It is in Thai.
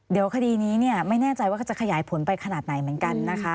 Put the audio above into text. เดี๋ยวคดีนี้เนี่ยไม่แน่ใจว่าเขาจะขยายผลไปขนาดไหนเหมือนกันนะคะ